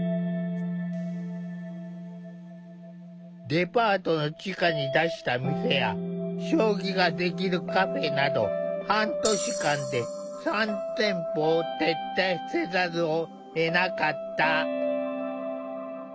デパートの地下に出した店や将棋ができるカフェなど半年間で３店舗を撤退せざるをえなかった。